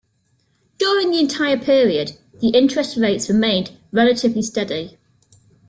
During the entire period, the interest rates remained relatively steady.